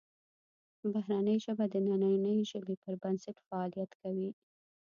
بهرنۍ ژبه د دنننۍ ژبې پر بنسټ فعالیت کوي